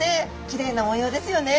きれいな模様ですよね。